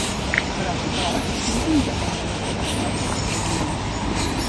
Però, si pots, intenta prendre les teves pròpies decisions.